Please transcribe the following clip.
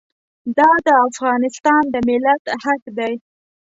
دا د افغانستان د ملت حق دی.